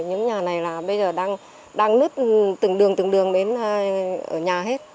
những nhà này là bây giờ đang nứt từng đường từng đường đến ở nhà hết